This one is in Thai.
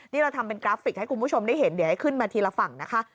นี่เราทำเป็นกราฟิกให้คุณผู้ชมได้เห็นเดี๋ยวให้ขึ้นมาทีละฝั่งนะคะ